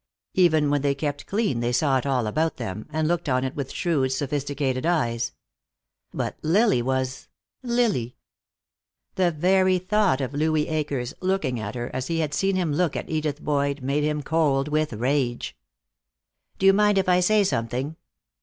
Even when they kept clean they saw it all about them, and looked on it with shrewd, sophisticated eyes. But Lily was Lily. The very thought of Louis Akers looking at her as he had seen him look at Edith Boyd made him cold with rage. "Do you mind if I say something?"